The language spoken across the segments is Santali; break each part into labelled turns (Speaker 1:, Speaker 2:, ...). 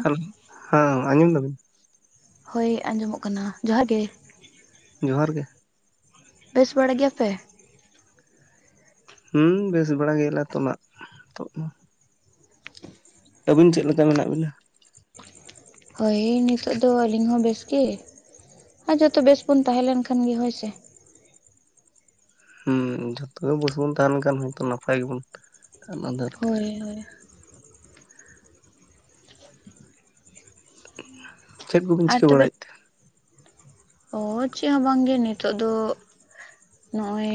Speaker 1: ᱦᱮᱞᱳ᱾ ᱦᱮᱸ ᱟᱸᱡᱚᱢ ᱫᱟᱵᱤᱱ?
Speaker 2: ᱦᱳᱭ ᱟᱸᱡᱚᱢᱚᱜ ᱠᱟᱱᱟ, ᱡᱚᱦᱟᱨ ᱜᱮ ᱾
Speaker 1: ᱡᱚᱦᱟᱨ ᱜᱮ ᱾
Speaker 2: ᱵᱮᱥ ᱵᱟᱲᱟ ᱜᱮᱭᱟ ᱯᱮ?
Speaker 1: ᱦᱩᱸ ᱵᱮᱥ ᱵᱟᱲᱟ ᱜᱮᱭᱟᱞᱮ ᱛᱚ ᱱᱟᱜ ᱱᱤᱛᱚᱜ ᱢᱟ ᱾ ᱟᱹᱵᱤᱱ ᱪᱮᱫ ᱞᱮᱠᱟ ᱢᱮᱱᱟᱜ ᱵᱤᱱᱟ?
Speaker 2: ᱦᱳᱭ ᱱᱤᱛᱚᱜ ᱫᱚ ᱟᱹᱞᱤᱧ ᱦᱚᱸ ᱵᱮᱥ ᱜᱮ ᱟᱨ ᱡᱚᱛᱚ ᱵᱮᱥ ᱵᱚᱱ ᱛᱟᱦᱮᱸ ᱞᱮᱱ ᱠᱷᱟᱱ ᱜᱮ ᱦᱳᱭ ᱥᱮ ᱾
Speaker 1: ᱦᱮᱸ ᱡᱚᱛᱚ ᱜᱮ ᱵᱩᱥᱵᱚᱱ ᱛᱟᱦᱮᱸ ᱞᱮᱱ ᱠᱷᱟᱱ ᱦᱚᱭᱛᱚ ᱱᱟᱯᱟᱭ ᱜᱮᱵᱚᱱ, ᱚᱱᱟ ᱫᱚ
Speaker 2: ᱦᱳᱭ ᱦᱳᱭ ᱾
Speaker 1: ᱪᱮᱫ ᱠᱚᱵᱤᱱ ᱪᱤᱠᱟᱹ ᱵᱟᱲᱟᱭᱮᱫ ᱛᱮ?
Speaker 2: ᱚᱻ ᱪᱮᱫ ᱦᱚᱸ ᱵᱟᱝ ᱜᱮ ᱱᱤᱛᱚᱜ ᱫᱚ ᱱᱚᱜᱼᱚᱭ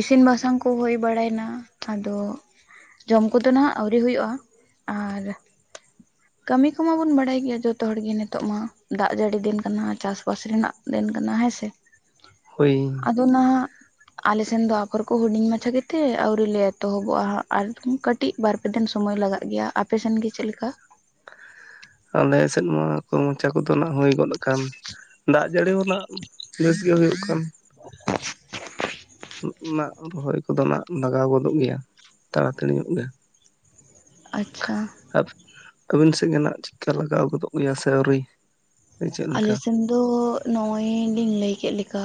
Speaker 2: ᱤᱥᱤᱱ ᱵᱟᱥᱟᱝ ᱠᱚ ᱦᱩᱭ ᱵᱟᱲᱟᱭ ᱱᱟ ᱟᱫᱚ ᱡᱚᱢ ᱠᱚᱫᱚ ᱱᱟᱦᱟᱜ ᱟᱹᱣᱨᱤ ᱦᱩᱭᱩᱜᱼᱟ, ᱟᱨ ᱠᱟᱹᱢᱤ ᱠᱚᱢᱟ ᱵᱚᱱ ᱵᱟᱲᱟᱭ ᱜᱮᱭᱟ ᱡᱚᱛᱚ ᱦᱚᱲ ᱜᱮ ᱱᱤᱛᱚᱜ ᱢᱟ ᱫᱟᱜ ᱡᱟᱹᱲᱤ ᱫᱤᱱ ᱠᱟᱱᱟ ᱪᱟᱥ ᱵᱟᱥ ᱨᱮᱱᱟᱜ ᱫᱤᱱ ᱠᱟᱱᱟ ᱦᱮᱸ ᱥᱮ ᱾ [unintelligible]
Speaker 1: ᱦᱳᱭ ᱾
Speaker 2: ᱟᱫᱚ ᱱᱟᱦᱟᱜ ᱥᱮᱱ ᱫᱚ ᱟᱯᱷᱚᱨ ᱠᱚ ᱦᱩᱰᱤᱧ ᱢᱟᱪᱷᱟ ᱜᱮ ᱛᱮ ᱟᱹᱣᱨᱤ ᱞᱮ ᱮᱛᱚᱦᱚᱵᱚᱜᱼᱟ ᱟᱨ ᱠᱟᱹᱴᱤᱡ ᱵᱟᱨ ᱯᱮ ᱫᱤᱱ ᱥᱚᱢᱚᱭ ᱞᱟᱜᱟᱜ ᱜᱮᱭᱟ ᱟᱯᱮ ᱥᱮᱱ ᱜᱮ ᱪᱮᱫ ᱞᱮᱠᱟ?
Speaker 1: ᱟᱞᱮ ᱥᱮᱫ ᱢᱟ ᱢᱚᱪᱟ ᱠᱚᱫᱚ ᱱᱟᱜ ᱦᱩᱭ ᱜᱚᱫ ᱟᱠᱟᱱ ᱾ ᱫᱟᱜ ᱡᱟᱹᱲᱤ ᱦᱚᱸ ᱱᱟᱜ ᱵᱮᱥ ᱜᱮ ᱦᱩᱭᱩᱜ ᱠᱟᱱᱟ ᱾
Speaker 2: [inaudible]
Speaker 1: ᱱᱟᱜ ᱨᱚᱦᱚᱭ ᱠᱚᱫᱚ ᱱᱟᱜ ᱞᱟᱜᱟᱣ ᱜᱚᱫᱚᱜ ᱜᱮᱭᱟ ᱛᱟᱲᱟ-ᱛᱟᱹᱲᱤ ᱧᱚᱜ ᱜᱮ ᱾
Speaker 2: ᱟᱪᱪᱷᱟ ᱾
Speaker 1: ᱟᱵ ᱟᱹᱵᱤᱱ ᱥᱮᱫ ᱜᱮ ᱱᱟᱜ ᱪᱮᱫᱠᱟ ᱞᱟᱜᱟᱣ ᱜᱚᱫᱚᱜ ᱜᱮᱭᱟ ᱥᱮ ᱟᱹᱣᱨᱤ? ᱪᱮᱫ
Speaker 2: ᱟᱞᱮ
Speaker 1: ᱞᱮᱠᱟ
Speaker 2: ᱥᱮᱱ ᱫᱚ ᱱᱚᱜᱼᱚᱭ ᱞᱤᱧ ᱞᱟᱹᱭ ᱠᱮᱫ ᱞᱮᱠᱟ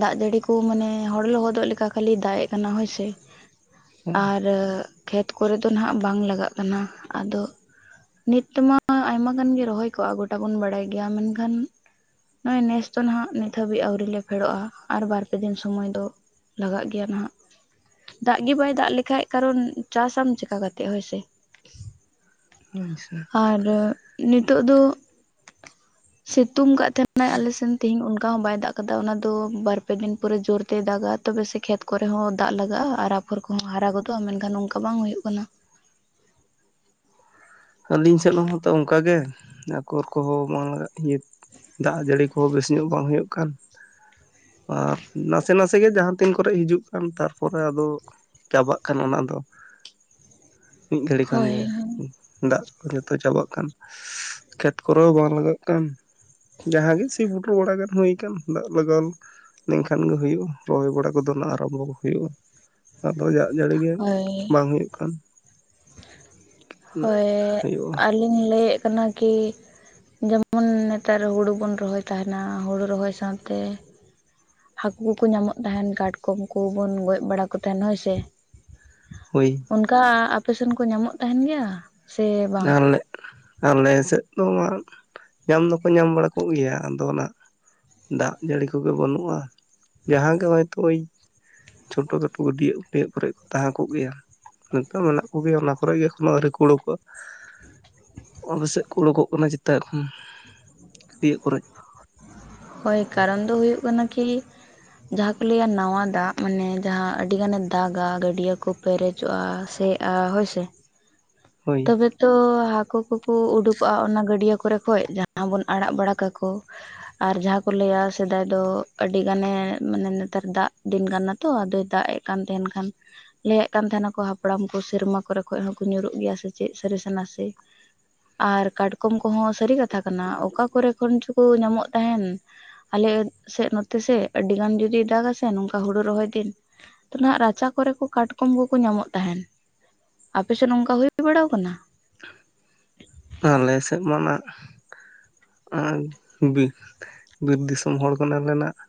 Speaker 2: ᱫᱟᱜ ᱡᱟᱹᱲᱤ ᱠᱚ ᱢᱟᱱᱮ ᱦᱚᱲ ᱞᱚᱦᱚᱫᱚᱜ ᱞᱮᱠᱟ ᱠᱷᱟᱹᱞᱤ ᱫᱟᱜ ᱮᱜ ᱠᱟᱱᱟ ᱦᱳᱭ ᱥᱮ ᱾
Speaker 1: ᱦᱳᱭ
Speaker 2: ᱟᱨ ᱠᱷᱮᱛ ᱠᱚᱨᱮ ᱫᱚ ᱱᱟᱦᱟᱜ ᱵᱟᱝ ᱞᱟᱜᱟᱜ ᱠᱟᱱᱟ ᱟᱫᱚ ᱱᱤᱛ ᱛᱮᱢᱟ ᱟᱭᱢᱟ ᱜᱟᱱ ᱜᱮ ᱨᱚᱦᱚᱭ ᱠᱚᱜᱼᱟ ᱜᱳᱴᱟ ᱵᱚᱱ ᱵᱟᱲᱟᱭ ᱜᱮᱭᱟ ᱢᱮᱱᱠᱷᱟᱱ ᱱᱚᱜᱼᱚᱭ ᱱᱮᱥ ᱫᱚ ᱱᱟᱦᱟᱜ ᱱᱤᱛ ᱦᱟᱹᱵᱤᱡ ᱟᱹᱣᱨᱤ ᱞᱮ ᱯᱷᱮᱰᱚᱜᱼᱟ ᱟᱨ ᱵᱟᱨ ᱯᱮ ᱫᱤᱱ ᱥᱚᱢᱚᱭ ᱫᱚ ᱞᱟᱜᱟᱜ ᱜᱮᱭᱟ ᱱᱟᱦᱟᱜ ᱾ ᱫᱟᱜ ᱜᱮ ᱵᱟᱭ ᱫᱟᱜ ᱞᱮᱠᱷᱟᱱ ᱠᱟᱨᱚᱱ ᱪᱟᱥᱟᱢ ᱪᱤᱠᱟ ᱠᱟᱛᱮᱜ ᱦᱳᱭ ᱥᱮ ᱾
Speaker 1: ᱦᱳᱭ ᱥᱟ
Speaker 2: ᱟᱨ ᱱᱤᱛᱚᱜ ᱫᱚ ᱥᱤᱛᱩᱝ ᱟᱠᱟᱜ ᱛᱟᱦᱮᱸᱱᱟ, ᱟᱞᱮ ᱥᱮᱱ ᱛᱮᱦᱤᱧ ᱚᱱᱠᱟ ᱦᱚᱸ ᱵᱟᱭ ᱫᱟᱜ ᱟᱠᱟᱫᱟ ᱚᱱᱟ ᱫᱚ ᱵᱟᱨ ᱯᱮ ᱫᱤᱱ ᱯᱚᱨᱮ ᱡᱳᱨ ᱛᱮᱭ ᱫᱟᱜᱟ ᱛᱚᱵᱮ ᱥᱮ ᱠᱷᱮᱛ ᱠᱚᱨᱮ ᱦᱚᱸ ᱫᱟᱜ ᱞᱟᱜᱟᱜᱼᱟ ᱟᱨ ᱟᱯᱷᱚᱨ ᱠᱚᱦᱚᱸ ᱦᱟᱨᱟ ᱜᱚᱫᱚᱜᱼᱟ ᱢᱮᱱᱠᱷᱟᱱ ᱚᱝᱠᱟ ᱵᱟᱝ ᱦᱩᱭᱩᱜ ᱠᱟᱱᱟ ᱾
Speaker 1: ᱟᱹᱞᱤᱧ ᱥᱮᱫ ᱦᱚᱸᱛᱚ ᱚᱱᱠᱟᱜ ᱜᱮ ᱟᱠᱚᱨ ᱠᱚᱦᱚᱸ ᱵᱟᱝ ᱞᱟᱜᱟᱜ ᱤᱭᱟᱹ ᱫᱟᱜ ᱡᱟᱹᱲᱤ ᱠᱚᱦᱚᱸ ᱵᱮᱥ ᱧᱚᱜ ᱵᱟᱝ ᱦᱩᱭᱩᱜ ᱠᱟᱱ ᱾ ᱟᱨ ᱱᱟᱥᱮ ᱱᱟᱥᱮ ᱜᱮ ᱡᱟᱦᱟᱸ ᱛᱤᱱ ᱠᱚᱨᱮ ᱦᱤᱡᱩᱜ ᱠᱟᱱ ᱛᱟᱨᱯᱚᱨᱮ ᱟᱫᱚ ᱪᱟᱵᱟᱜ ᱠᱟᱱᱟ ᱚᱱᱟ ᱫᱚ ᱾
Speaker 2: [unintelligible]
Speaker 1: ᱢᱤᱫ ᱜᱷᱟᱹᱲᱤ ᱠᱷᱟᱱ
Speaker 2: ᱦᱳᱭ
Speaker 1: ᱜᱮ ᱾ ᱫᱟᱜ ᱠᱚ ᱡᱚᱛᱚ ᱪᱟᱵᱟᱜ ᱠᱟᱱ ᱠᱷᱮᱛ ᱠᱚᱨᱮ ᱦᱚᱸ ᱵᱟᱝ ᱞᱟᱜᱟᱜ ᱠᱟᱱ ᱾ ᱡᱟᱦᱟᱸ ᱜᱮ ᱥᱤ ᱯᱩᱴᱩᱨ ᱵᱟᱲᱟ ᱜᱟᱱ ᱦᱩᱭ ᱟᱠᱟᱱ ᱫᱟᱜ ᱞᱟᱜᱟᱣ ᱞᱮᱱᱠᱷᱟᱱ ᱜᱮ ᱦᱩᱭᱩᱜᱼᱟ ᱨᱚᱦᱚᱭ ᱵᱟᱲᱟ ᱠᱚᱫᱚ ᱱᱟᱜ ᱟᱨᱟᱢᱵᱷᱚ ᱠᱚ ᱦᱩᱭᱩᱜᱼᱟ ᱟᱫᱚ ᱫᱟᱜ ᱡᱟᱹᱲᱤ ᱜᱮ
Speaker 2: ᱦᱳᱭ
Speaker 1: ᱵᱟᱝ ᱦᱩᱭᱩᱜ ᱠᱟᱱ᱾ ᱛᱤᱱᱟᱹᱜ
Speaker 2: ᱦᱳᱭ,
Speaker 1: ᱦᱩᱭᱩᱜᱼᱟ
Speaker 2: ᱟᱹᱞᱤᱧ ᱞᱟᱹᱭᱮᱫ ᱠᱟᱱᱟ ᱠᱤ ᱡᱮᱢᱚᱱ ᱱᱮᱛᱟᱨ ᱦᱩᱲᱩ ᱵᱚᱱ ᱨᱚᱦᱚᱭ ᱛᱟᱦᱮᱱᱟ ᱦᱩᱲᱩ ᱨᱚᱦᱚᱭ ᱥᱟᱶᱛᱮ ᱦᱟᱹᱠᱩ ᱠᱚᱠᱚ ᱧᱟᱢᱚᱜ ᱛᱟᱦᱮᱱ ᱠᱟᱴᱠᱚᱢ ᱠᱚᱵᱚᱱ ᱜᱚᱡ ᱵᱟᱲᱟ ᱠᱚ ᱛᱟᱦᱮᱸᱱ ᱦᱳᱭ ᱥᱮ᱾
Speaker 1: ᱦᱳᱭ
Speaker 2: ᱚᱱᱠᱟ ᱟᱯᱮ ᱥᱮᱱ ᱠᱚ ᱧᱟᱢᱚᱜ ᱛᱟᱦᱮᱱ ᱜᱮᱭᱟ? ᱥᱮ ᱵᱟᱝ
Speaker 1: ᱟᱞᱮ ᱟᱞᱮ ᱥᱮᱫ ᱫᱚ [unintelligible] ᱧᱟᱢ ᱫᱚᱠᱚ ᱧᱟᱢ ᱵᱟᱲᱟ ᱠᱚᱜᱮᱭᱟ ᱟᱫᱚ ᱚᱱᱟ, ᱫᱟᱜ ᱡᱟᱹᱲᱤ ᱠᱚᱜᱮ ᱵᱟᱹᱱᱩᱜᱼᱟ, ᱡᱟᱸᱦᱟᱸ ᱜᱮ ᱦᱚᱭᱛᱳ ᱪᱷᱳᱴᱳ ᱠᱷᱟᱴᱳ ᱜᱟᱹᱰᱤᱭᱟᱹ ᱜᱟᱹᱰᱭᱟᱹᱜ ᱠᱚᱨᱮ ᱠᱚ ᱛᱟᱦᱮᱸ ᱠᱚᱜ ᱜᱮᱭᱟ᱾ ᱱᱤᱛᱚᱜ ᱢᱮᱱᱟᱜ ᱠᱚᱜᱮᱭᱟ ᱚᱱᱟ ᱠᱚᱨᱮ ᱜᱮ ᱮᱠᱷᱚᱱᱳ ᱟᱹᱣᱨᱤ ᱠᱩ ᱩᱲᱩᱜ ᱚᱜ-ᱟ᱾ ᱟᱞᱮ ᱥᱮᱫ ᱠᱚ ᱚᱰᱚᱜᱚᱜ ᱠᱟᱱᱟ ᱪᱮᱛᱟᱜ ᱠᱷᱚᱱ, ᱜᱟᱹᱰᱭᱟᱹ ᱠᱚᱨᱮ
Speaker 2: ᱦᱳᱭ ᱠᱟᱨᱚᱱ ᱫᱚ ᱦᱩᱭᱩᱜ ᱠᱟᱱᱟ ᱠᱤ ᱡᱟᱸᱦᱟᱸ ᱠᱚ ᱞᱟᱹᱭᱟ ᱱᱟᱣᱟ ᱫᱟᱜ ᱢᱟᱱᱮ ᱡᱟᱸᱦᱟᱸ ᱟᱹᱰᱤ ᱜᱟᱱᱮ ᱫᱟᱜᱟ ᱜᱟᱹᱰᱭᱟᱹ ᱠᱚ ᱯᱮᱨᱮᱡᱚᱜᱼᱟ ᱥᱮ ᱦᱳᱭ ᱥᱮ᱾
Speaker 1: ᱦᱳᱭ
Speaker 2: ᱛᱚᱵᱮ ᱛᱚ ᱦᱟᱹᱠᱩ ᱠᱚᱠᱚ ᱩᱰᱩᱠᱚᱜᱼᱟ ᱚᱱᱟ ᱜᱟᱹᱰᱭᱟᱹ ᱠᱚᱨᱮ ᱠᱷᱚᱡ ᱡᱟᱸᱦᱟᱸ ᱵᱚᱱ ᱟᱲᱟᱜ ᱵᱟᱲᱟ ᱠᱟᱠᱚ᱾ ᱟᱨ ᱡᱟᱸᱦᱟᱸ ᱠᱚ ᱞᱟᱹᱭᱟ ᱥᱮᱫᱟᱭ ᱫᱚ ᱟᱹᱰᱤ ᱜᱟᱱᱮ ᱢᱟᱱᱮ ᱱᱮᱛᱟᱨ ᱫᱟᱜ ᱫᱤᱱ ᱠᱟᱱᱟ ᱛᱚ ᱟᱫᱚᱭ ᱫᱟᱜ ᱮ᱾ ᱠᱟᱱ ᱛᱟᱦᱮᱱ ᱠᱷᱟᱱ ᱞᱟᱹᱭᱮᱫ ᱠᱟᱱ ᱛᱟᱦᱮᱱᱟ ᱠᱚ ᱦᱟᱯᱲᱟᱢ ᱠᱚ ᱥᱮᱨᱢᱟ ᱠᱚᱨᱮ ᱠᱷᱚᱱ ᱦᱚᱸᱠᱚ ᱧᱩᱨᱩᱜ ᱜᱮᱭᱟ ᱥᱮ᱾ ᱪᱮᱫ ᱥᱟᱹᱨᱤ ᱱᱟᱥᱮ ᱟᱨ ᱠᱟᱴᱠᱚᱢ ᱠᱚᱦᱚᱸ ᱥᱟᱹᱨᱤ ᱠᱟᱛᱷᱟ ᱠᱟᱱᱟ ᱚᱠᱟ ᱠᱚᱨᱮ ᱠᱷᱚᱱ ᱪᱚᱠᱚ ᱧᱟᱢᱚᱜ ᱛᱟᱦᱮᱱ᱾ ᱟᱞᱮ ᱥᱮᱫ ᱱᱚᱛᱮ ᱥᱮ ᱟᱹᱰᱤ ᱜᱟᱱ ᱡᱩᱫᱤ ᱫᱟᱜ ᱟᱥᱮ ᱱᱚᱝᱠᱟ ᱦᱩᱲᱩ ᱨᱚᱦᱚᱭ ᱫᱤᱱ᱾ ᱛᱚ ᱱᱟᱜ ᱨᱟᱪᱟ ᱠᱚᱨᱮ ᱠᱚ ᱠᱟᱴᱠᱚᱢ ᱠᱚᱠᱚ ᱧᱟᱢᱚᱜ ᱛᱟᱦᱮᱸᱱ, ᱟᱯᱮᱥᱮᱫ ᱱᱚᱝᱠᱟ ᱦᱳᱭᱳᱜ ᱦᱩᱭ ᱵᱟᱲᱟ ᱟᱠᱟᱱᱟ᱾
Speaker 1: ᱟᱞᱮ ᱥᱮᱫ ᱢᱟ ᱚᱱᱟ ᱟᱨ ᱵᱤᱨ, ᱵᱤᱨ ᱫᱤᱥᱚᱢ ᱦᱚᱲ ᱠᱟᱱᱟ ᱞᱮ ᱱᱟᱜ᱾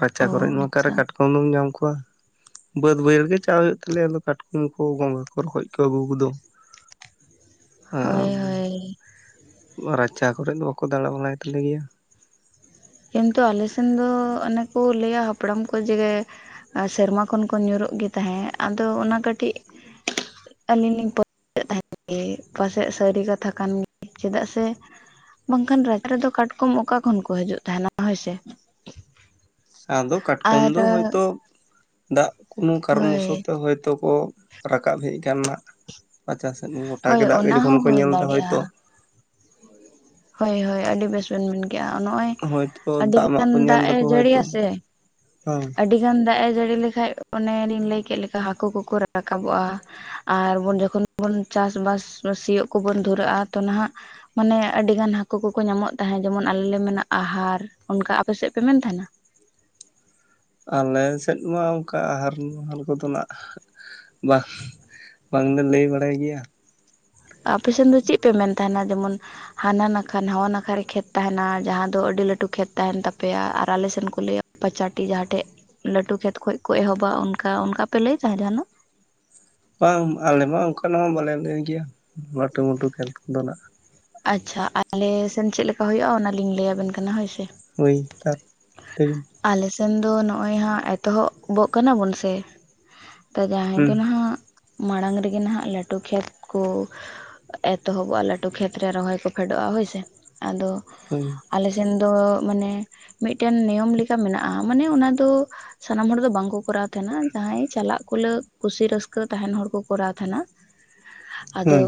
Speaker 1: ᱨᱟᱪᱟ
Speaker 2: ᱚ
Speaker 1: ᱠᱚᱨᱮ ᱫᱚ ᱱᱚᱠᱟ ᱨᱮ
Speaker 2: ᱟᱪᱪᱷᱟ
Speaker 1: ᱠᱟᱴᱠᱚᱢ ᱫᱚᱢ ᱧᱟᱢ ᱠᱚᱣᱟ᱾ ᱵᱟᱹᱫ ᱵᱟᱹᱭᱦᱟᱹᱲ ᱨᱮᱜᱮ ᱪᱟᱞᱟᱣ ᱦᱩᱭᱩᱜ ᱛᱟᱞᱮᱭᱟ ᱟᱫᱚ ᱠᱟᱴᱠᱚᱢ ᱠᱚ ᱜᱚᱸᱜᱷᱟ ᱠᱚ ᱨᱚᱠᱚᱡ ᱠᱚ ᱟᱹᱜᱩ ᱠᱚᱫᱚ᱾
Speaker 2: ᱦᱳᱭ ᱦᱳᱭ
Speaker 1: ᱟᱨ ᱨᱟᱪᱟ ᱠᱚᱨᱮ ᱫᱚ ᱵᱟᱠᱚ ᱫᱟᱬᱟ ᱵᱟᱲᱟᱭ ᱛᱟᱞᱮ ᱜᱮᱭᱟ᱾
Speaker 2: ᱠᱤᱱᱛᱩ ᱟᱞᱮ ᱥᱮᱱ ᱫᱚ ᱚᱱᱮ ᱠᱚ ᱞᱟᱹᱭᱟ ᱦᱟᱯᱲᱟᱢ ᱠᱚ ᱡᱮ ᱥᱮᱨᱢᱟ ᱠᱷᱚᱱ ᱠᱚ ᱧᱩᱨᱩᱜ ᱜᱮ ᱛᱟᱦᱮᱸᱜ ᱟᱫᱚ ᱚᱱᱟ ᱠᱟᱹᱴᱤᱡ ᱟᱹᱞᱤᱧ ᱞᱤᱧ ᱯᱟᱹᱛᱤᱭᱟᱹᱜ ᱛᱟᱦᱮᱸᱫ ᱜᱮ ᱯᱟᱥᱮᱡ ᱥᱟᱹᱨᱤ ᱠᱟᱛᱷᱟ ᱠᱟᱱ ᱜᱮ ᱪᱮᱫᱟᱜ ᱥᱮ᱾ ᱵᱟᱝᱠᱷᱟᱱ ᱨᱟᱪᱟ ᱨᱮᱫᱚ ᱠᱟᱴᱠᱚᱢ ᱚᱠᱟ ᱠᱷᱚᱱ ᱠᱚ ᱦᱤᱡᱩᱜ ᱛᱟᱦᱮᱱᱟ ᱦᱳᱭᱥᱮ᱾
Speaker 1: ᱟᱫᱚ ᱠᱟᱴᱠᱚᱢ
Speaker 2: ᱟᱨ
Speaker 1: ᱫᱚ ᱦᱚᱭᱛᱳ ᱫᱟᱜ ᱠᱳᱱᱳ ᱠᱟᱨᱚᱱ
Speaker 2: ᱦᱳᱭ
Speaker 1: ᱵᱚᱥᱚᱛ ᱛᱮ ᱦᱚᱭᱛᱳ ᱠᱚ ᱨᱟᱠᱟᱵ ᱦᱮᱡ ᱟᱠᱟᱱᱟ ᱨᱟᱪᱟ ᱥᱮᱫ ᱜᱚᱴᱟ ᱜᱮ
Speaker 2: ᱦᱳᱭ
Speaker 1: ᱫᱟᱜ ᱜᱮ
Speaker 2: ᱚᱱᱟ
Speaker 1: ᱡᱚᱠᱷᱚᱱ
Speaker 2: ᱦᱚᱸ
Speaker 1: ᱠᱚ
Speaker 2: ᱦᱩᱭ
Speaker 1: ᱧᱮᱞ ᱮᱫᱟ ᱦᱚᱭᱛᱚ᱾
Speaker 2: ᱫᱟᱲᱮᱭᱟᱜᱼᱟ ᱦᱳᱭ ᱦᱳᱭ ᱟᱹᱰᱤ ᱵᱮᱥ ᱵᱮᱱ ᱢᱮᱱ ᱱᱚᱜᱼᱚᱭ
Speaker 1: ᱦᱚᱭᱛᱚ
Speaker 2: ᱟᱹᱰᱤ
Speaker 1: ᱫᱟᱜ
Speaker 2: ᱜᱟᱱ
Speaker 1: ᱢᱟᱜ ᱠᱚ
Speaker 2: ᱫᱟᱜ
Speaker 1: ᱧᱮᱞ
Speaker 2: ᱮ
Speaker 1: ᱫᱟᱠᱚ
Speaker 2: ᱡᱟᱹᱲᱤᱭᱟ
Speaker 1: ᱦᱚᱭᱛᱚ
Speaker 2: ᱥᱮ
Speaker 1: ᱦᱳᱭ
Speaker 2: ᱟᱹᱰᱤ ᱜᱟᱱ ᱫᱟᱜ ᱮ ᱡᱟᱹᱲᱤ ᱞᱮᱠᱟᱱᱡ ᱚᱱᱮᱞᱤᱧ ᱞᱟᱹᱭ ᱠᱮᱫ ᱞᱮᱠᱟ ᱦᱟᱹᱠᱩ ᱠᱚᱠᱚ ᱨᱟᱠᱟᱵᱚᱜᱼᱟ᱾ ᱟᱨ ᱡᱚᱠᱷᱚᱱ ᱵᱚᱱ ᱪᱟᱥᱵᱟᱥ ᱥᱤᱭᱳᱜ ᱠᱚᱵᱚᱱ ᱫᱷᱩᱨᱟᱹᱜᱼᱟ ᱛᱚ ᱱᱟᱦᱟᱜ ᱢᱟᱱᱮ ᱟᱹᱰᱤ ᱜᱟᱱ ᱦᱟᱹᱠᱩ ᱠᱚᱠᱚ ᱧᱟᱢᱚᱜ ᱛᱟᱦᱮᱸᱫ ᱡᱮᱢᱚᱱ ᱟᱞᱮ ᱞᱮ ᱢᱮᱱᱟ ᱟᱦᱟᱨ ᱚᱱᱠᱟ ᱟᱯᱮᱥᱮᱫ ᱯᱮ ᱢᱮᱱ ᱛᱟᱦᱮᱱᱟ᱾
Speaker 1: ᱟᱞᱮ ᱥᱮᱫ ᱢᱟ ᱚᱱᱠᱟ ᱟᱦᱟᱨ ᱢᱟᱦᱟᱨ ᱠᱚᱫᱚᱱᱟᱜ ᱵᱟᱝ, ᱵᱟᱝ ᱞᱮ ᱞᱟᱹᱭ ᱵᱟᱲᱟᱭ ᱜᱮᱭᱟ᱾
Speaker 2: ᱟᱯᱮ ᱥᱮᱱ ᱫᱚ ᱪᱮᱫ ᱯᱮ ᱢᱮᱱ ᱛᱟᱦᱮᱱᱟ ᱡᱮᱢᱚᱱ ᱦᱟᱱᱟ ᱱᱟᱠᱷᱟ ᱱᱟᱣᱟ ᱱᱟᱠᱷᱟ ᱨᱮ ᱠᱷᱮᱛ ᱛᱟᱦᱮᱱᱟ ᱡᱟᱸᱦᱟᱸ ᱫᱚ ᱟᱹᱰᱤ ᱞᱟᱹᱴᱩ ᱠᱷᱮᱛ ᱛᱟᱦᱮᱱ ᱛᱟᱯᱮᱭᱟ ᱟᱨ ᱟᱞᱮᱥᱮᱱ ᱠᱚ ᱞᱟᱹᱭᱟ ᱯᱟᱪᱟᱴᱤ ᱡᱟᱸᱦᱟᱸ ᱴᱷᱮᱡ ᱞᱟᱹᱴᱩ ᱠᱷᱮᱛ ᱠᱷᱚᱡ ᱠᱚ ᱮᱦᱚᱵᱟ ᱚᱱᱠᱟ ᱚᱱᱠᱟ ᱯᱮ ᱞᱟᱹᱭ ᱛᱟᱦᱮᱸ ᱡᱟᱦᱱᱟᱜ᱾
Speaker 1: ᱵᱟᱝ ᱟᱞᱮ ᱢᱟ ᱚᱱᱠᱟᱱᱟᱜ ᱦᱚᱸ ᱵᱟᱞᱮ ᱞᱟᱹᱭ ᱜᱮᱭᱟ ᱞᱟᱹᱴᱩ ᱢᱚᱴᱩ ᱠᱷᱮᱛᱫᱚ ᱱᱟᱜ᱾
Speaker 2: ᱟᱪᱪᱷᱟ ᱟᱞᱮ ᱥᱮᱱ ᱪᱮᱫ ᱞᱮᱠᱟ ᱦᱩᱭᱩᱜᱼᱟ ᱚᱱᱟᱞᱤᱧ ᱞᱟᱹᱭᱟᱵᱮᱱ ᱠᱟᱱᱟ ᱦᱳᱭ ᱥᱮ᱾
Speaker 1: ᱳᱭ ᱛᱟ ᱛᱼᱼ
Speaker 2: ᱟᱞᱮᱥᱱ ᱫᱚ ᱱᱚᱜ ᱚᱭ ᱦᱟᱸᱜ ᱮᱛᱚᱦᱚᱵᱚᱜ ᱠᱟᱱᱟ ᱵᱚᱱ ᱥᱮ, ᱡᱟᱦᱟᱸᱭ
Speaker 1: ᱦᱩᱸ
Speaker 2: ᱫᱚ ᱱᱟᱦᱟᱜ ᱢᱟᱲᱟᱝ ᱨᱮᱜᱮ ᱱᱟᱦᱟᱜ ᱞᱟᱹᱴᱩ ᱠᱷᱮᱛ ᱠᱚᱼᱼ ᱮᱛᱚᱦᱚᱵᱚᱜᱼᱟ ᱞᱟᱹᱴᱩ ᱠᱷᱮᱛᱨᱮ ᱨᱚᱦᱚᱭ ᱠᱚ ᱯᱷᱮᱰᱚᱜᱼᱟ ᱦᱳᱭᱥᱮ ᱟᱫᱚᱼᱼ
Speaker 1: ᱦᱳᱭ
Speaker 2: ᱟᱞᱮᱥᱱ ᱫᱚ ᱢᱟᱱᱮ ᱢᱤᱫᱴᱮᱱ ᱱᱤᱭᱚᱢ ᱞᱮᱠᱟ ᱢᱮᱱᱟᱜᱼᱟ ᱢᱟᱱᱮ ᱚᱱᱟ ᱫᱚ ᱥᱟᱱᱟᱢ ᱦᱚᱲ ᱫᱚ ᱵᱟᱝᱠᱚ ᱠᱚᱨᱟᱣ ᱛᱟᱦᱮᱱᱟ ᱡᱟᱦᱟᱸᱭ ᱪᱟᱞᱟᱜ ᱠᱩᱞᱟ. ᱠᱩᱥᱤ ᱨᱟᱹᱥᱠᱟᱹ ᱛᱟᱦᱮᱱ ᱦᱚᱲ ᱠᱚ ᱠᱚᱨᱟᱣ ᱛᱟᱦᱮᱸᱱᱟ᱾ ᱟᱫᱚᱼᱼ
Speaker 1: ᱦᱩᱸ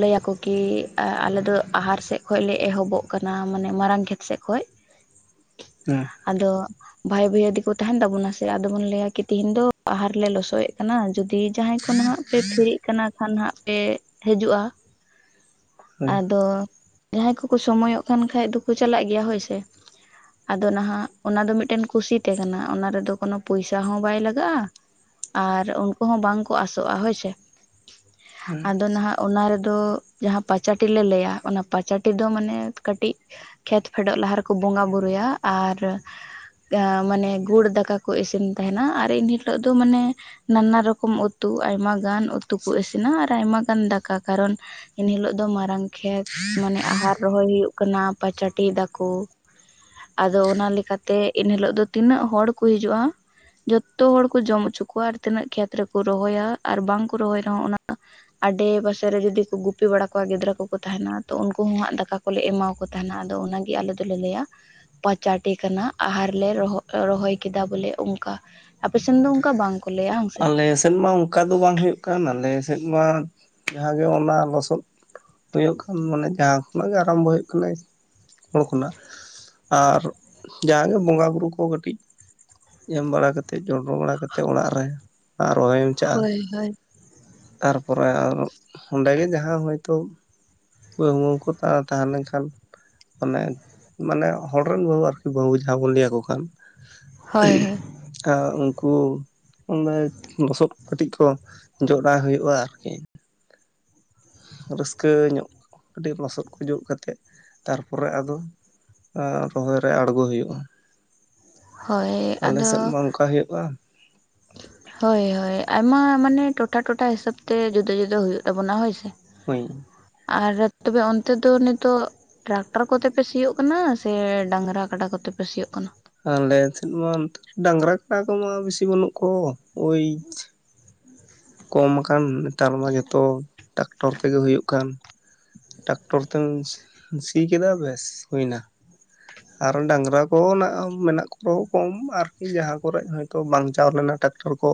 Speaker 2: ᱞᱟᱹᱭᱟᱠᱚ ᱠᱤ ᱟᱞᱮ ᱫᱚ ᱟᱦᱟᱨ ᱥᱮᱮᱫ ᱠᱷᱚᱡ ᱞᱮ ᱮᱦᱚᱵᱚᱜ ᱠᱟᱱᱟ ᱢᱟᱱᱮ ᱢᱟᱨᱟᱝ ᱠᱷᱮᱛ ᱥᱮᱫ ᱠᱷᱚᱡ᱾
Speaker 1: ᱦᱩᱸ
Speaker 2: ᱟᱫᱚᱼᱼ ᱵᱷᱟᱭ ᱵᱷᱟᱹᱭᱟ. ᱫᱤᱠᱚ ᱛᱟᱦᱮᱱ ᱛᱟᱵᱚᱱᱟ ᱥᱮ ᱟᱫᱚᱵᱚᱱ ᱞᱟᱹᱭᱟ ᱠᱤ ᱛᱤᱦᱤᱧ ᱫᱚ ᱟᱦᱟᱨ ᱨᱮᱞᱮ ᱞᱚᱥᱚᱭᱮᱫ ᱠᱟᱱᱟ ᱡᱤᱼᱼ ᱡᱩᱫᱤ ᱡᱟᱦᱟᱸᱭ ᱠᱷᱚᱱ ᱱᱟᱜ ᱯᱮ ᱯᱷᱮᱨᱤᱜ ᱠᱟᱱᱟ ᱠᱷᱟᱱ ᱦᱟᱸᱜ ᱯᱮ ᱦᱤᱡᱩᱜᱼᱟ᱾
Speaker 1: ᱦᱳᱭ
Speaker 2: ᱟᱫᱚᱼᱼ ᱡᱟᱦᱟᱸᱭ ᱠᱚᱠᱚ ᱥᱚᱢᱚᱭᱚᱜ ᱠᱟᱱ ᱠᱷᱟᱡ ᱫᱚᱠᱚ ᱪᱟᱞᱟᱜ ᱜᱮᱭᱟ ᱦᱳᱭᱥᱮ ᱟᱫᱚ ᱱᱟᱦᱟᱜ᱾ ᱚᱱᱟ ᱫᱚ ᱢᱤᱫᱴᱮᱱ ᱠᱩᱥᱤᱛᱮ ᱠᱟᱱᱟ ᱚᱱᱟ ᱨᱮᱫᱚ ᱠᱳᱱᱚ ᱯᱚᱭᱥᱟ ᱦᱚᱸ ᱵᱟᱭ ᱞᱟᱜᱟᱜᱼᱟ᱾ ᱟᱨ ᱩᱱᱠᱩ ᱦᱚᱸ ᱵᱟᱝ ᱠᱚ ᱟᱥᱚᱜᱼᱟ ᱦᱳᱭᱥᱮ
Speaker 1: ᱦᱩᱸ
Speaker 2: ᱟᱫᱚ ᱱᱟᱦᱟᱜᱼᱼ ᱚᱱᱟ ᱨᱮᱫᱚ ᱡᱟᱦᱟᱸ ᱯᱟᱪᱟᱴᱤ ᱞᱮᱮ ᱞᱟᱹᱭᱟ ᱚᱱᱟ ᱯᱟᱪᱟᱴᱤ ᱫᱚ ᱢᱟᱱᱮ ᱠᱟᱹᱴᱤᱡᱼᱼ ᱠᱷᱮᱛ ᱯᱷᱮᱰᱚᱜ ᱞᱟᱦᱟᱨ ᱨᱮᱠᱚ ᱵᱚᱸᱜᱟ ᱵᱩᱨᱩᱭᱟ ᱟᱨᱼᱼ ᱮ ᱢᱟᱱᱮ ᱜᱩᱲ ᱫᱟᱠᱟ ᱠᱚ ᱤᱥᱤᱱ ᱛᱟᱦᱮᱱᱟ ᱟᱨ ᱮᱱᱦᱤᱞᱳᱜ ᱫᱚ ᱢᱟᱱᱮᱼᱼ ᱱᱟᱱᱟ ᱨᱚᱠᱚᱢ ᱩᱛᱩ ᱟᱭᱢ ᱜᱟᱱ ᱩᱛᱩ ᱠᱚ ᱤᱥᱤᱱᱟ ᱟᱨ ᱟᱭᱢᱟ ᱜᱟᱱ ᱫᱟᱠᱟ ᱠᱟᱨᱚᱱᱼᱼ ᱮᱱᱦᱤ ᱞᱳᱜ ᱫᱚ ᱢᱟᱨᱟᱝ ᱠᱷᱮᱛ ᱢᱟᱱᱮ ᱟᱦᱟᱨ ᱨᱚᱦᱚᱭ ᱦᱩᱭᱩᱜᱼᱼ ᱠᱟᱱᱟ ᱯᱟᱪᱟᱴᱤ ᱫᱟᱠᱚ ᱟᱫᱚ ᱚᱱᱟ ᱞᱮᱠᱟᱛᱮ᱾ ᱛᱮ ᱮᱱᱦᱤᱞᱳᱜ ᱫᱚ ᱛᱤᱱᱟᱹᱜ ᱦᱚᱲ ᱠᱚ ᱦᱤᱡᱩᱜᱼᱟ᱾ ᱡᱚᱛᱚ ᱦᱚᱲ ᱠᱚ ᱡᱚᱢ ᱦᱚᱪᱚ ᱠᱚᱣᱟ ᱟᱨ ᱛᱤᱱᱟᱹᱜ ᱠᱷᱮᱛ ᱨᱮᱠᱚ ᱨᱚᱦᱚᱭᱟ ᱟᱨ ᱵᱟᱝᱠᱚ ᱨᱚᱦᱚᱭ ᱨᱮᱦᱚᱸ ᱚᱱᱟᱼᱼ ᱟᱰᱮ ᱯᱟᱥᱮ ᱨᱮ ᱡᱩᱫᱤ ᱠᱚ ᱜᱩᱯᱤ ᱵᱟᱲᱟ ᱠᱚᱣᱟ ᱜᱤᱫᱽᱨᱟᱹ ᱠᱚ ᱛᱟᱦᱮᱱᱟ ᱛᱚ ᱩᱱᱠᱩ ᱦᱚᱸᱟᱸᱜ ᱫᱟᱠᱟ ᱠᱚᱼᱼ ᱠᱚᱞᱮ ᱮᱢᱟ ᱠᱚ ᱛᱟᱦᱮᱱᱟ ᱟᱫᱚ ᱚᱱᱟᱜᱮ ᱟᱞᱮ ᱫᱚᱞᱮ ᱞᱟᱹᱭᱟ ᱯᱟᱪᱟᱰᱮ ᱠᱟᱱᱟᱱᱟᱜᱼᱼ ᱟᱦᱟᱨ ᱞᱮ ᱨᱚᱦ ᱨᱚᱦᱚᱭ ᱠᱮᱫᱟ ᱵᱚᱞᱮ ᱚᱱᱠᱟ ᱟᱯᱮᱥᱱ ᱫᱚ ᱚᱱᱠᱟ ᱵᱟᱝᱼᱼ
Speaker 1: ᱟᱞᱮ ᱥᱮᱫ ᱢᱟ ᱚᱱᱠᱟ ᱫᱚ ᱵᱟᱝ ᱦᱩᱭᱩᱜ ᱠᱟᱱ ᱟᱞᱮ ᱥᱮᱫ ᱢᱟ ᱡᱟᱦᱟᱸᱜᱮ ᱚᱱᱟ ᱞᱚᱥᱚᱫᱼᱼ ᱦᱩᱭᱩᱜ ᱠᱟᱱ ᱢᱟᱱᱮ ᱡᱟᱦᱟᱸ ᱠᱷᱚᱱᱟᱜ ᱜᱮ ᱟᱨᱟᱢᱵᱷᱚ ᱦᱩᱭᱩᱜ ᱠᱟᱱᱟ ᱦᱚᱲ ᱠᱷᱚᱱᱟᱜᱼᱼ ᱟᱨ ᱡᱟᱦᱟ ᱜᱮ ᱵᱚᱸᱜᱟ ᱵᱩᱨᱩ ᱠᱚ ᱠᱟᱹᱴᱤᱡ, ᱮᱢ ᱵᱟᱲᱟ ᱠᱟᱛᱮᱫ ᱪᱚᱰᱚᱨ ᱵᱟᱲᱟ ᱠᱟᱛᱮᱫ ᱚᱲᱟᱜ ᱨᱮ ᱨᱚᱦᱚᱭ ᱮᱢᱪᱟᱜᱼᱟ᱾
Speaker 2: ᱦᱳᱭ ᱦᱳᱭ
Speaker 1: ᱛᱟᱨ ᱯᱚᱨᱮ ᱟᱨ ᱚᱸᱰᱮᱜᱮ ᱡᱟᱦᱟᱸ ᱦᱚᱭ ᱛᱚ ᱠᱟᱹᱣᱢᱟᱹᱣ ᱠᱚ ᱛᱟᱦᱮᱸ ᱞᱮᱱᱠᱷᱟᱱ ᱢᱟᱱᱮ ᱢᱟᱱᱮ ᱦᱚᱲ ᱨᱮᱱ ᱵᱟᱹᱦᱩ ᱟᱨᱠᱤ ᱵᱟᱹᱦᱩ ᱡᱟᱦᱟᱸ ᱵᱚᱱ ᱞᱟᱹᱭᱭᱟᱠᱚ ᱠᱷᱟᱱᱼᱼ
Speaker 2: ᱦᱳᱭ ᱦᱳᱭ
Speaker 1: [unintelligible] ᱩᱱᱠᱩ ᱚᱸᱰᱮ ᱞᱚᱥᱚᱫ ᱠᱟᱹᱴᱤᱡ ᱠᱚ ᱡᱚᱰᱟᱭ ᱦᱩᱭᱩᱜᱼᱟ ᱟᱨᱠᱤᱼᱼ ᱨᱟᱹᱥᱠᱟᱹ ᱧᱚᱜ ᱟᱹᱰᱤ ᱞᱚᱥᱚᱫ ᱠᱚ ᱡᱚᱜ ᱠᱟᱛᱮᱫ ᱛᱟᱨ ᱯᱚᱨᱮ ᱟᱫᱚᱼᱼ ᱨᱚᱦᱚᱭ ᱨᱮ ᱟᱲᱜᱳ ᱦᱩᱭᱩᱜᱼᱟ
Speaker 2: ᱦᱳᱭ
Speaker 1: ᱟᱞᱮ
Speaker 2: ᱟᱫᱚ
Speaker 1: ᱥᱮᱫ ᱢᱟ ᱚᱱᱠᱟ ᱦᱩᱭᱩᱜᱼᱟ᱾
Speaker 2: ᱦᱳᱭ ᱦᱳᱭ ᱟᱭᱢᱟ ᱢᱟᱱᱮ ᱴᱚᱴᱷᱟ ᱴᱚᱴᱷᱟ ᱦᱤᱥᱟᱹᱵ ᱛᱮ ᱡᱩᱫᱟᱹ ᱡᱩᱫᱟᱹ ᱦᱩᱭᱩᱜ ᱛᱟᱵᱚᱱᱟ ᱦᱳᱭᱥᱮ
Speaker 1: ᱦᱳᱭ
Speaker 2: ᱟᱨ ᱛᱚᱵᱮ ᱚᱱᱛᱮ ᱫᱚ ᱱᱤᱛᱚᱜᱼᱼ ᱴᱨᱟᱠᱴᱟᱨ ᱠᱚᱛᱮᱯᱮ ᱥᱤᱭᱳᱜ ᱠᱟᱱᱟ ᱥᱮ ᱰᱟᱝᱨᱟ ᱠᱟᱰᱟ ᱠᱚᱛᱮᱯᱮ ᱥᱤᱭᱳᱜ ᱠᱟᱱᱟ?
Speaker 1: ᱟᱞᱮ ᱥᱮᱫ ᱢᱟ ᱰᱟᱝᱨᱟ ᱠᱟᱲᱟ ᱠᱚᱢᱟ ᱵᱮᱥᱤ ᱵᱟᱹᱱᱩᱜ ᱠᱚ ᱳᱭ ᱠᱚᱢ ᱟᱠᱟᱱ ᱱᱮᱛᱟᱨ ᱢᱟ ᱡᱚᱛᱚ ᱴᱟᱠᱴᱚᱨ ᱛᱮᱜᱮ ᱦᱩᱭᱩᱜ ᱠᱟᱱ᱾ ᱴᱟᱠᱴᱚᱨ ᱛᱮᱢ ᱥᱤ ᱠᱮᱫᱟ ᱵᱮᱥ ᱦᱩᱭᱱᱟ᱾
Speaker 2: [inaudible]
Speaker 1: ᱟᱨ ᱰᱟᱸᱝᱜᱨᱟ ᱠᱚᱦᱚ ᱱᱟᱜ ᱢᱮᱱᱟᱜ ᱠᱚ ᱠᱚᱢ ᱟᱨ ᱡᱟᱸᱦᱟ ᱠᱚᱨᱮ ᱦᱚᱭᱛᱳ ᱵᱟᱝ ᱪᱟᱣ ᱞᱮᱱᱟ ᱴᱟᱠᱴᱚᱨ ᱠᱚ᱾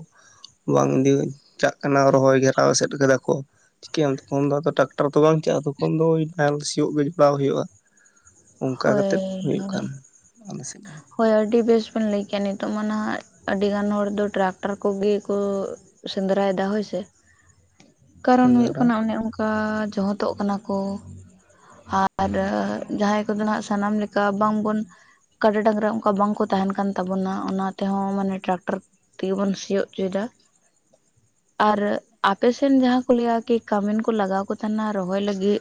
Speaker 1: ᱵᱟᱝ ᱤᱫᱤ ᱪᱟᱜ ᱠᱟᱱᱟ ᱨᱚᱦᱚᱭ ᱜᱷᱮᱨᱟᱣ ᱮᱥᱮᱫ ᱠᱟᱫᱟ ᱠᱚ ᱪᱤᱠᱟᱹᱭᱟᱢ ᱛᱚᱠᱷᱚᱱ ᱫᱚ ᱟᱫᱚ ᱴᱟᱠᱴᱚᱨ ᱛᱚ ᱵᱟᱝ ᱪᱟᱜ-ᱟ ᱛᱚᱠᱷᱚᱱ ᱫᱚ ᱛᱟᱭᱚᱢ ᱥᱤᱭᱳᱜ ᱜᱮ ᱡᱚᱯᱲᱟᱣ ᱦᱳᱭᱳᱜᱼᱟ᱾ ᱚᱱᱠᱟ ᱠᱟᱛᱮᱫ
Speaker 2: ᱦᱳᱭ
Speaker 1: ᱦᱩᱭᱩᱜ ᱠᱟᱱ
Speaker 2: ᱦᱳᱭ
Speaker 1: ᱟᱞᱮ ᱥᱮᱫ ᱫᱚ᱾
Speaker 2: ᱦᱳᱭ ᱟᱹᱰᱤ ᱵᱮᱥ ᱵᱮᱱ ᱞᱟᱹᱭᱠᱮᱜᱼᱟ ᱱᱤᱛᱚᱜ ᱢᱟ ᱱᱟᱦᱟᱜ ᱟᱹᱰᱤ ᱜᱟᱱ ᱦᱚᱲ ᱫᱚ ᱴᱨᱟᱠᱴᱟᱨ ᱠᱚᱜᱮ ᱠᱩ᱾ ᱥᱮᱸᱫᱽᱨᱟᱭᱫᱟ ᱦᱳᱭᱥᱮ ᱠᱟᱨᱚᱱ ᱦᱩᱭᱩᱜ
Speaker 1: ᱥᱮᱸᱫᱽᱨᱟ
Speaker 2: ᱠᱟᱱᱟ ᱚᱱᱮ ᱚᱱ ᱠᱟ ᱡᱚᱦᱚᱫᱚᱜ ᱠᱟᱱᱟ ᱠᱚ ᱟᱨ ᱡᱟᱦᱟᱸᱭ᱾ ᱫᱚ ᱱᱟᱜ ᱥᱟᱱᱟᱢ ᱞᱮᱠᱟ ᱵᱟᱝᱵᱚᱱ ᱠᱟᱰᱟ ᱰᱟᱝᱨᱟ ᱚᱱᱠᱟ ᱵᱟᱝᱠᱚ ᱛᱟᱦᱮᱱ ᱠᱟᱱ ᱛᱟᱵᱚᱱᱟ ᱚᱱᱟ ᱛᱮᱦᱚᱸ ᱢᱟᱱᱮ ᱴᱨᱟᱠᱴᱚᱨ ᱛᱮ ᱵᱚᱱ ᱥᱤᱭᱳᱜ ᱚᱪᱚᱭᱫᱟ᱾ ᱟᱨ ᱟᱯᱮᱥᱮᱱ ᱡᱟᱦᱟᱸ ᱠᱚ ᱞᱟᱹᱭᱟ ᱠᱤ ᱠᱟᱢᱤᱱ ᱠᱚ ᱞᱟᱜᱟᱣ ᱠᱚ ᱛᱟᱦᱮᱱᱟ ᱨᱚᱦᱚᱭ ᱞᱟᱹᱜᱤᱜ᱾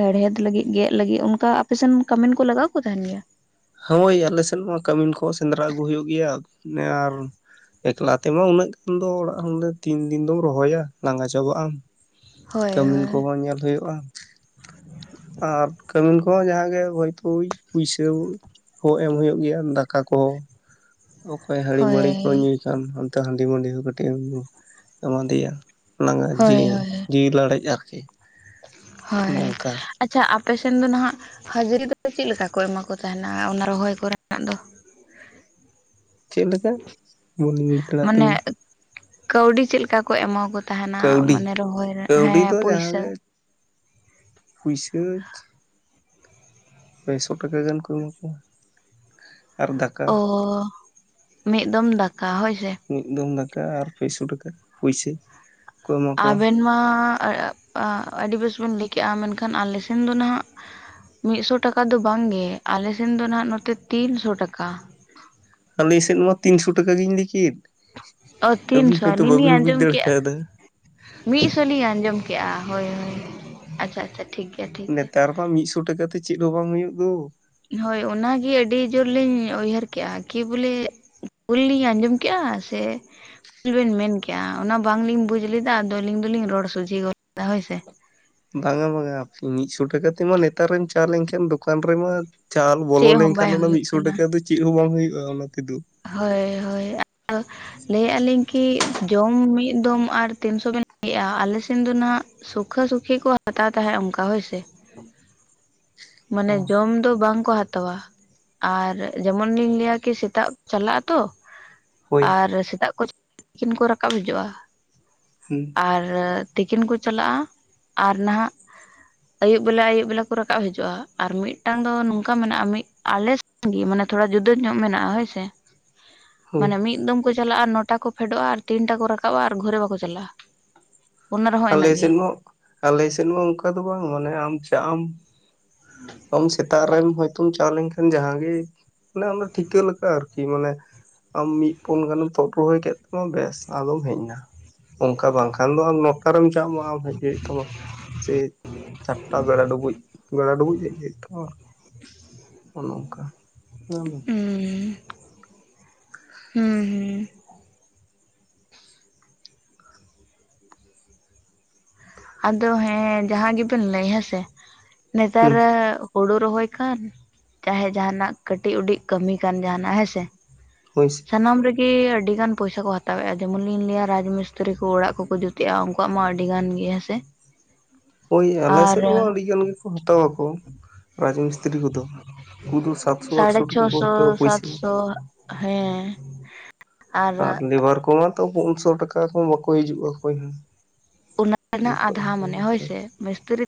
Speaker 2: ᱦᱮᱲᱦᱮᱫ ᱞᱟᱹᱜᱤᱫ ᱜᱮᱜ ᱞᱟᱹᱜᱤᱫ ᱚᱱᱠᱟ ᱟᱯᱮᱥᱮᱱ ᱠᱟᱹᱢᱤᱱ ᱠᱚ ᱞᱟᱜᱟᱣ ᱠᱚ ᱛᱟᱦᱮᱱ ᱜᱮᱭᱟ᱾
Speaker 1: ᱦᱳᱭ ᱟᱞᱮ ᱥᱮᱱ ᱢᱟ ᱠᱟᱢᱤᱱ ᱠᱚᱦᱚᱸ ᱥᱮᱸᱫᱽᱨᱟ ᱟᱹᱜᱩ ᱦᱩᱭᱩᱜ ᱜᱮᱭᱟ ᱟᱨ ᱮᱠᱞᱟ ᱛᱮᱢᱟ ᱩᱱᱟᱹᱜ ᱜᱟᱱ ᱫᱚ ᱚᱲᱟᱜ ᱨᱮᱱ ᱛᱤᱱ ᱫᱤᱱ ᱫᱚᱢ ᱨᱚᱦᱚᱭᱟ ᱞᱟᱸᱜᱟ ᱪᱟᱵᱟᱜ ᱟᱢ᱾
Speaker 2: ᱦᱳᱭ
Speaker 1: ᱠᱟᱹᱢᱤᱱ
Speaker 2: ᱦᱳᱭ
Speaker 1: ᱠᱚᱦᱚᱸ ᱧᱮᱞ ᱦᱳᱭᱳᱜᱼᱟ ᱟᱨ ᱠᱟᱹᱢᱤᱱ ᱦᱚᱜ ᱚ ᱡᱟᱦᱟᱸ ᱜᱮ ᱦᱚᱭᱛᱳ ᱯᱩᱭᱥᱟᱹ ᱦᱚᱸ ᱮᱢ ᱦᱳᱭᱳᱜ ᱜᱮᱭᱟ ᱫᱟᱠᱟ ᱠᱚᱦᱚᱸ᱾ ᱚᱠᱚᱭ
Speaker 2: ᱦᱳᱭ
Speaker 1: ᱦᱺᱟᱹᱲᱤᱢᱟᱹᱲᱤ ᱠᱚ ᱧᱩᱭ ᱠᱷᱟᱱ ᱚᱱᱛᱮ ᱦᱟᱺᱰᱤᱢᱟᱹᱰᱤ ᱦᱚᱸ ᱠᱟᱹᱴᱤᱡ ᱮᱢ ᱮᱢᱟ ᱫᱮᱭᱟ᱾ ᱞᱟᱸᱜᱟᱜᱼᱟᱜ
Speaker 2: ᱦᱳᱭ
Speaker 1: ᱡᱤᱱ
Speaker 2: ᱦᱳᱭ
Speaker 1: ᱡᱤᱣᱤ ᱞᱟᱲᱮᱡ ᱟᱨᱠᱤ᱾
Speaker 2: ᱦᱳᱭ
Speaker 1: ᱱᱚᱝᱠᱟ
Speaker 2: ᱟᱪᱪᱷᱟ ᱟᱯᱮ ᱥᱮᱱ ᱫᱚ ᱱᱟᱦᱟᱜ ᱦᱟᱹᱡᱨᱤ ᱫᱚ ᱪᱮᱫ ᱞᱮᱠᱟ ᱠᱚ ᱮᱢᱟ ᱠᱚ ᱛᱟᱦᱮᱱᱟ ᱚᱱᱟ ᱨᱚᱦᱚᱭ ᱠᱚᱨᱮᱱᱟᱜ ᱫᱚ?
Speaker 1: ᱪᱮᱫ ᱞᱮᱠᱟ ᱵᱟᱹᱞᱤᱧ ᱵᱩᱡᱽ ᱫᱟᱲᱮᱭᱟᱜ ᱛᱟᱵᱤᱱᱟ᱾
Speaker 2: ᱢᱟᱱᱮ ᱠᱟᱹᱣᱰᱤ ᱪᱮᱫ ᱞᱮᱠᱟ ᱠᱚ ᱮᱢᱟᱠᱚ ᱛᱟᱦᱮᱱᱟ
Speaker 1: ᱠᱟᱹᱣᱰᱤ
Speaker 2: ᱢᱟᱱᱮ ᱨᱚᱦᱚᱭ ᱨᱮ
Speaker 1: ᱠᱟᱹᱣᱰᱤ
Speaker 2: ᱦᱮᱸ
Speaker 1: ᱫᱚ
Speaker 2: ᱯᱩᱭᱥᱟᱹ?
Speaker 1: ᱯᱩᱭᱥᱟᱹᱪ᱾ ᱯᱮᱥᱚ ᱴᱟᱠᱟ ᱜᱟᱱ ᱠᱚ ᱮᱢᱟ ᱠᱚᱣᱟ ᱟᱨ ᱫᱟᱠᱟ᱾
Speaker 2: ᱚᱻ᱾ ᱢᱤᱫ ᱫᱚᱢ ᱫᱟᱠᱟ ᱦᱳᱭ ᱥᱮ
Speaker 1: ᱢᱤᱜ ᱫᱚᱢ ᱫᱟᱠᱟ ᱟᱨ ᱯᱮᱥᱚ ᱴᱟᱠᱟ ᱯᱩᱭᱥᱟᱹ᱾ ᱠᱚ ᱮᱢᱟ ᱠᱚᱣᱟ
Speaker 2: ᱟᱵᱮᱱ ᱢᱟ ᱟᱹᱰᱤ ᱵᱮᱥ ᱵᱮᱱ ᱞᱟᱹᱭ ᱠᱮᱜᱼᱟ ᱢᱮᱱᱠᱷᱟᱱ ᱟᱞᱮ ᱥᱮᱱ ᱫᱚ ᱱᱟᱦᱟᱜ ᱢᱤᱜ ᱥᱚ ᱴᱟᱠᱟ ᱫᱚ ᱵᱟᱝᱜᱮ ᱟᱞᱮᱥᱱ ᱫᱚ ᱱᱟᱜ ᱱᱚᱛᱮ ᱛᱤᱱᱥᱚ ᱴᱟᱠᱟ᱾
Speaker 1: ᱟᱞᱮ ᱥᱮᱫ ᱢᱟ ᱛᱤᱱᱥᱚ ᱴᱟᱠᱟ ᱜᱤᱧ ᱞᱟᱹᱭ ᱠᱮᱫ᱾
Speaker 2: ᱚ
Speaker 1: ᱟᱹᱵᱤᱱ
Speaker 2: ᱛᱤᱱᱥᱚ
Speaker 1: ᱦᱚᱭᱛᱳ
Speaker 2: ᱟᱞᱤᱧ ᱞᱤᱧ
Speaker 1: ᱵᱟᱹᱵᱤᱱ ᱵᱩᱡᱽ
Speaker 2: ᱟᱸᱡᱚᱢ
Speaker 1: ᱫᱟᱲᱮ
Speaker 2: ᱠᱮᱜᱼᱟ᱾
Speaker 1: ᱠᱟᱣᱫᱟ
Speaker 2: ᱢᱤᱜ ᱥᱚ ᱞᱤᱧ ᱟᱸᱡᱚᱢ ᱠᱮᱜᱼᱟ ᱦᱳᱭ ᱦᱳᱭ ᱟᱪᱪᱷᱟ ᱟᱪᱪᱷᱟ ᱴᱷᱤᱠ ᱜᱮᱭᱟ ᱴᱷᱤᱠ
Speaker 1: ᱱᱮᱛᱟᱨ ᱢᱟ ᱢᱤᱜ ᱥᱚ ᱴᱟᱠᱟ ᱛᱮ ᱪᱮᱫ ᱦᱚᱸ ᱵᱟᱝ ᱦᱩᱭᱩᱜ ᱫᱚ᱾
Speaker 2: ᱦᱳᱭ ᱚᱱᱟᱜᱮ ᱟᱹᱰᱤ ᱡᱳᱨᱞᱤᱧ ᱩᱭᱦᱟᱹᱨ ᱠᱮᱜ-ᱟ ᱠᱤ ᱵᱚᱞᱮ ᱵᱷᱩᱞ ᱞᱤᱧ ᱟᱸᱡᱚᱢ ᱠᱮᱜ-ᱟ ᱥᱮ ᱪᱮᱜ ᱵᱮᱱ ᱢᱮᱱᱠᱮᱜ-ᱟ ᱚᱱᱟ ᱵᱟᱝᱞᱤᱧ ᱵᱩᱡᱽ ᱞᱮᱫᱟ ᱟᱫᱚ ᱟᱹᱞᱤᱧ ᱫᱚᱞᱤᱧ ᱨᱚᱲ ᱥᱚᱡᱷᱮ ᱜᱚᱫ ᱠᱮᱫᱟ ᱦᱳᱭ ᱥᱮ᱾
Speaker 1: ᱵᱟᱝᱟ ᱵᱟᱝᱟ ᱢᱤᱫ ᱥᱚ ᱴᱟᱠᱟ ᱛᱮᱢᱟ ᱱᱮᱛᱟᱨᱮᱢ ᱪᱟ ᱞᱮᱱᱠᱷᱟᱱ ᱫᱚᱠᱟᱱ ᱨᱮᱢᱟ ᱪᱟᱞ ᱵᱚᱞᱚ
Speaker 2: ᱪᱮᱫ ᱦᱚᱸ ᱵᱟᱭ
Speaker 1: ᱞᱮᱱᱠᱷᱟᱱ ᱚᱱᱟ
Speaker 2: ᱦᱩᱭᱩᱜ
Speaker 1: ᱢᱤᱫᱥᱚ
Speaker 2: ᱠᱟᱱᱟ
Speaker 1: ᱴᱟᱠᱟ ᱫᱚ ᱪᱮᱫ ᱦᱚᱸ ᱵᱟᱝ ᱦᱩᱭᱩᱜᱼᱟ ᱚᱱᱟ ᱛᱮᱫᱚ
Speaker 2: ᱦᱳᱭ ᱦᱳᱭ [unintelligible] ᱞᱟᱹᱭᱮᱜᱼᱟ ᱞᱤᱧ ᱠᱤ ᱡᱚᱢ ᱢᱤᱜ ᱫᱚᱢ ᱟᱨ ᱛᱤᱱᱥᱚ ᱵᱮᱱ ᱞᱟᱹᱭ ᱮᱜᱼᱟ ᱟᱞᱮᱥᱱ ᱫᱚ ᱱᱟᱜ ᱥᱩᱠᱷᱟᱹ ᱥᱩᱠᱷᱤ ᱠᱚ ᱦᱟᱛᱟᱣ ᱛᱟᱦᱮᱜ ᱚᱱᱠᱟ ᱦᱳᱭᱥᱮ᱾ ᱢᱟᱱᱮ ᱡᱚᱢ ᱫᱚ ᱵᱟᱝᱠᱚ ᱦᱟᱛᱟᱣᱟ ᱟᱨ ᱡᱮᱢᱚᱱᱞᱤᱧ ᱞᱟᱹᱭᱟ ᱠᱤ ᱥᱮᱛᱟᱜ ᱪᱟᱞᱟᱜ ᱟᱛᱚ
Speaker 1: ᱦᱳᱭ
Speaker 2: ᱟᱨ ᱥᱮᱛᱟᱜ ᱠᱚ ᱛᱤᱠᱤᱱ ᱠᱚ ᱨᱟᱠᱟᱵ ᱦᱤᱡᱩᱜᱼᱟ᱾
Speaker 1: ᱦᱩᱸ
Speaker 2: ᱟᱨ ᱛᱤᱠᱤᱱ ᱠᱚ ᱪᱟᱞᱟᱜᱼᱟ ᱟᱨ ᱱᱟᱦᱟᱜ ᱟᱹᱭᱩᱵ ᱵᱮᱞᱟ ᱟᱹᱭᱩᱵ ᱵᱮᱞᱟ ᱠᱚ ᱨᱟᱠᱟᱵ ᱦᱤᱡᱩᱜᱼᱟ ᱟᱨ ᱢᱤᱫᱴᱟᱝ ᱫᱚ ᱱᱚᱝᱠᱟ ᱢᱮᱱᱟᱜᱼᱟ ᱢᱤᱫ ᱟᱞᱮ, ᱜᱤ ᱢᱟᱱᱮ ᱛᱷᱚᱲᱟ ᱡᱩᱫᱟᱹ ᱧᱚᱜ ᱢᱮᱱᱟᱜᱼᱟ ᱦᱳᱭᱥᱮ᱾
Speaker 1: ᱦᱳᱭ
Speaker 2: ᱢᱟᱱᱮ ᱢᱤᱫ ᱫᱚᱢ ᱠᱚ ᱪᱟᱞᱟᱜᱼᱟ ᱟᱨ ᱱᱚᱴᱟ ᱠᱚ ᱯᱷᱮᱰᱚᱜᱼᱟ ᱟᱨ ᱛᱤᱱᱴᱟ ᱠᱚ ᱨᱟᱠᱟᱵᱼᱟ ᱟᱨ ᱜᱷᱩᱨᱮ ᱵᱟᱠᱚ ᱪᱟᱞᱟᱜᱼᱟ᱾ ᱚᱱᱟ ᱨᱮᱦᱚᱸ
Speaker 1: ᱟᱞᱮ
Speaker 2: ᱤᱱᱟᱹᱜ ᱜᱮ
Speaker 1: ᱥᱮᱱ ᱦᱚᱸ ᱟᱞᱮ ᱥᱮᱱ ᱦᱚᱸ ᱚᱱᱠᱟ ᱫᱚ ᱵᱟᱝ ᱢᱟᱱᱮ ᱟᱢ ᱪᱟᱜ ᱟᱢ, ᱚᱢ ᱥᱮᱛᱟᱜ ᱨᱮᱢ ᱦᱮᱡ ᱦᱛᱩᱢ ᱪᱟ ᱞᱮᱱᱠᱷᱟᱱ ᱡᱟᱦᱟᱸ ᱜᱮ ᱢᱟᱱᱮ ᱚᱱᱟ ᱴᱷᱤᱠᱟᱹ ᱞᱮᱠᱟ ᱟᱨᱠᱤ ᱢᱟᱱᱮ, ᱟᱢ ᱢᱤᱫ ᱯᱩᱱ ᱜᱟᱱᱮᱢ ᱛᱳᱫ ᱨᱚᱦᱚᱭ ᱠᱮᱫ ᱛᱮᱟᱢᱟ ᱵᱮᱥ ᱟᱫᱚᱢ ᱦᱮᱡᱱᱟ᱾ ᱚᱱᱠᱟ ᱵᱟᱝᱠᱷᱟᱱ ᱫᱚ ᱟᱢ ᱱᱚᱴᱟᱨᱮᱢ ᱪᱟᱜ ᱢᱟ ᱟᱢ ᱦᱮᱡ ᱦᱩᱭᱩᱜ ᱛᱟᱢᱟ ᱥᱮ, ᱪᱟᱴᱟ ᱵᱮᱲᱟ ᱰᱩᱵᱩᱡ ᱵᱮᱲᱟ ᱰᱩᱵᱩᱡ ᱦᱮᱡ ᱦᱳᱭᱳᱜ ᱛᱟᱢᱟ ᱟᱨᱠᱤ᱾ ᱚᱱᱚ ᱚᱱᱠᱟ [unintelligible]
Speaker 2: ᱦᱩᱸ ᱦᱩᱸ ᱦᱩᱸ, ᱟᱫᱚ ᱦᱮᱸ ᱡᱟᱦᱟᱸ ᱜᱮ ᱵᱮᱱ ᱞᱟᱹᱭ ᱦᱮᱸᱥᱮ
Speaker 1: ᱦᱩᱸ
Speaker 2: ᱱᱮᱛᱟᱨᱮᱻ ᱦᱳᱲᱳ ᱨᱚᱦᱚᱭ ᱠᱟᱱ ᱪᱟᱦᱮ ᱡᱟᱦᱟᱱᱟᱜ ᱠᱟᱹᱴᱤᱡ ᱩᱰᱤᱡ ᱠᱟᱹᱢᱤ ᱠᱟᱱ ᱡᱟᱦᱟᱱᱟᱜ ᱦᱮᱸᱥᱮ,
Speaker 1: [unintelligible]
Speaker 2: ᱥᱟᱱᱟᱢ ᱨᱮᱜᱤ ᱟᱹᱰᱤ ᱜᱟᱱ ᱯᱚᱭᱥᱟ ᱠᱚ ᱦᱟᱛᱟᱣᱮᱜᱼᱟ ᱡᱮᱢᱚᱱ ᱞᱤᱧ ᱞᱟᱹᱭᱟ ᱨᱟᱡᱽ ᱢᱤᱥᱛᱤᱨᱤ ᱠᱚ ᱚᱲᱟᱜ ᱠᱚᱠᱚ ᱡᱩᱛ᱾ ᱛᱮᱜ-ᱟ ᱩᱱᱠᱩᱣᱟᱜ ᱢᱟ ᱟᱹᱰᱤ ᱜᱟᱱ ᱜᱮᱭᱟ ᱥᱮ?
Speaker 1: ᱦᱳᱭ ᱟᱞᱮ ᱥᱮᱫ ᱦᱚᱸ ᱟᱹᱰᱤ ᱜᱟᱱ ᱜᱮᱠᱚ ᱦᱟᱛᱟ ᱟᱠᱚ, ᱨᱟᱡᱽ ᱢᱤᱥᱛᱨᱤ ᱠᱚᱫᱚ ᱩᱱᱠᱩ ᱫᱚ ᱥᱟᱛᱥᱚ ᱟᱴᱥᱚ
Speaker 2: ᱥᱟᱲᱮ
Speaker 1: ᱴᱟᱠᱟ ᱠᱚ
Speaker 2: ᱪᱷᱚᱥᱚ
Speaker 1: ᱦᱟᱛᱟᱣᱟ ᱯᱩᱭᱥᱟᱹ᱾
Speaker 2: ᱥᱟᱛᱥᱚ ᱦᱮᱸ,
Speaker 1: ᱟᱨ ᱞᱮᱵᱟᱨ ᱠᱚᱢᱟ ᱛᱚ ᱯᱩᱱᱥᱚ ᱴᱟᱠᱟ ᱠᱩᱢ ᱵᱟᱠᱚ ᱦᱤᱡᱩᱜᱼᱟ ᱚᱠᱚᱭ ᱦᱚᱸ
Speaker 2: ᱚᱱᱟ ᱨᱮᱱᱟᱜ
Speaker 1: ᱚᱱᱠᱟ
Speaker 2: ᱟᱫᱷᱟ ᱢᱟᱱᱮ ᱦᱳᱭᱥᱮ ᱢᱤᱥᱛᱨᱤ,